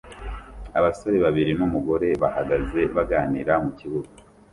Abasore babiri numugore bahagaze baganira mukibuga